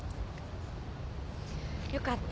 よかった。